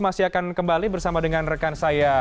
masih akan kembali bersama dengan rekan saya